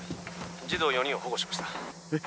児童４人を保護しましたえっ？